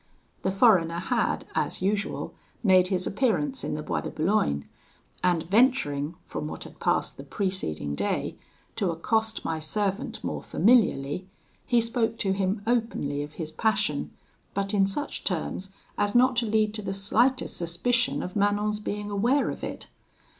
The foreigner had, as usual, made his appearance in the Bois de Boulogne; and venturing, from what had passed the preceding day, to accost my servant more familiarly, he spoke to him openly of his passion, but in such terms as not to lead to the slightest suspicion of Manon's being aware of it.